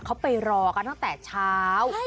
เขาไปรอกันตั้งแต่เช้า